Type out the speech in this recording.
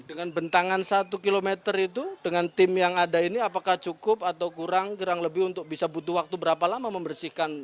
dengan bentangan satu km itu dengan tim yang ada ini apakah cukup atau kurang kurang lebih untuk bisa butuh waktu berapa lama membersihkan